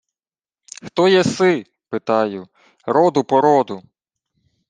— Хто єси, питаю. Роду-породу.